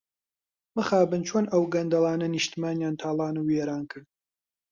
مخابن چۆن ئەو گەندەڵانە نیشتمانیان تاڵان و وێران کرد.